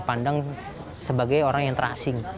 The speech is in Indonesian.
pandang sebagai orang yang terasing